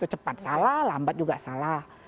cepat salah lambat juga salah